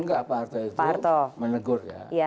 enggak pak harto itu menegur ya